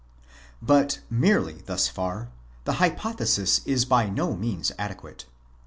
But, merely thus far, the hypothesis is by no means adequate.